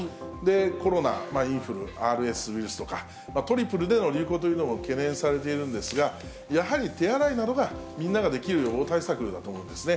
コロナ、インフル、ＲＳウイルスとか、トリプルでの流行というのも懸念されているんですが、やはり手洗いなどが、みんなができる予防対策だと思うんですね。